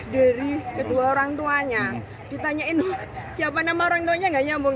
dari kedua orang tuanya ditanyain siapa nama orang tuanya enggak nyambung